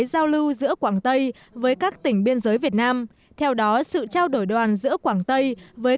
giao lưu giữa quảng tây với các tỉnh biên giới việt nam theo đó sự trao đổi đoàn giữa quảng tây với